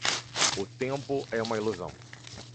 O tempo é uma ilusão.